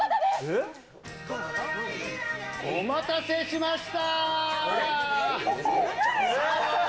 えっ、お待たせしました。